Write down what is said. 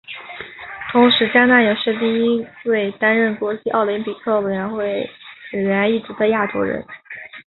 同时嘉纳也是第一位担任国际奥林匹克委员会委员一职的亚洲人。